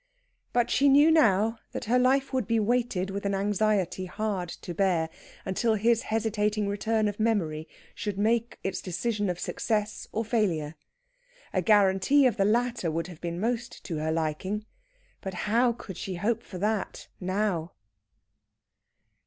But she knew now that her life would be weighted with an anxiety hard to bear, until his hesitating return of memory should make its decision of success or failure. A guarantee of the latter would have been most to her liking, but how could she hope for that now?